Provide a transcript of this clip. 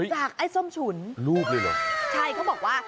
จากไอ้ส้มฉุนรูปเลยเหรอใช่เขาบอกว่า